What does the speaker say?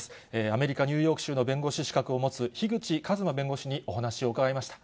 アメリカ・ニューヨーク州の弁護士資格を持つ、樋口一磨弁護士にお話を伺いました。